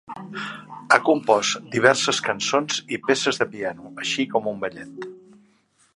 Ha compost diverses cançons i peces de piano, així com un ballet.